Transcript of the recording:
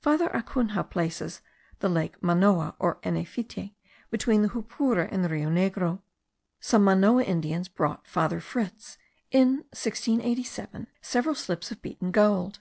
Father Acunha places the lake Manoa, or Yenefiti, between the Jupura and the Rio Negro. Some Manoa Indians brought Father Fritz, in 1687, several slips of beaten gold.